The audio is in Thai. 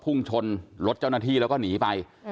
พุ่งชนรถเจ้าหน้าที่แล้วก็หนีไป